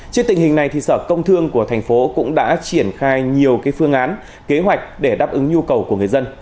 trước tình hình này sở công thương của thành phố cũng đã triển khai nhiều phương án kế hoạch để đáp ứng nhu cầu của người dân